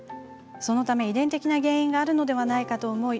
そのため、遺伝的な原因があるのではないかと思い